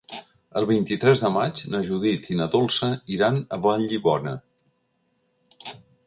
El vint-i-tres de maig na Judit i na Dolça iran a Vallibona.